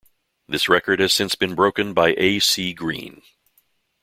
This record has since been broken by A. C. Green.